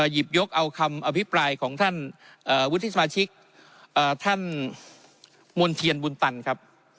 หยิบยกเอาคำอภิปรายของท่านวุฒิสมาชิกท่านมณ์เทียนบุญตันครับ